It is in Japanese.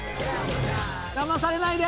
だまされないで！